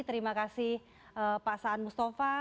terima kasih pak saan mustafa